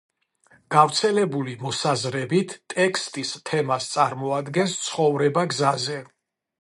გავრცელებული მოსაზრებით, ტექსტის თემას წარმოადგენს ცხოვრება გზაზე.